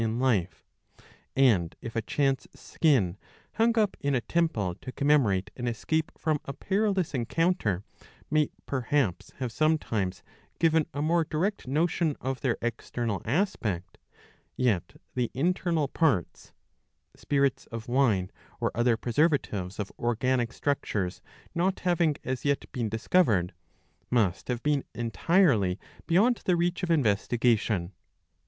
in life ; and if a chance skin, hung up in a temple to commemorate an escape from a perilous encounter, may perhaps have sometimes given a more direct notion of their external aspect, yet the internal parts — spirits of wine or other preservatives of organic structures not having as yet been discovered — must have been entirely beyond the reach of investigation.